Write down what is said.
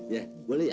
ya boleh ya